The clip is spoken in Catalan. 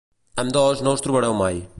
Ambdós no us trobareu mai.